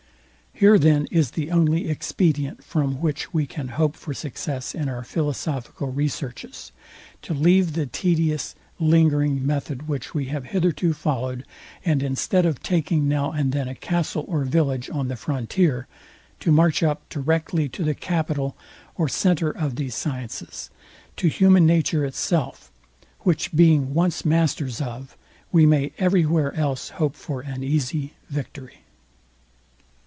Here then is the only expedient, from which we can hope for success in our philosophical researches, to leave the tedious lingering method, which we have hitherto followed, and instead of taking now and then a castle or village on the frontier, to march up directly to the capital or center of these sciences, to human nature itself; which being once masters of, we may every where else hope for an easy victory.